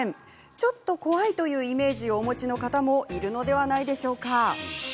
ちょっと怖いというイメージをお持ちの方もいるのではないでしょうか？